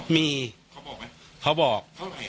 มีอ่ะเขาบอก